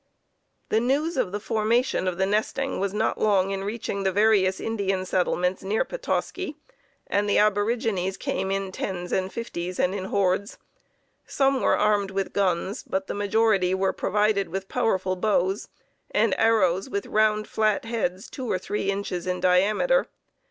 The news of the formation of the nesting was not long in reaching the various Indian settlements near Petoskey, and the aborigines came in tens and fifties and in hordes. Some were armed with guns, but the majority were provided with powerful bows, and arrows with round, flat heads two or three inches in diameter.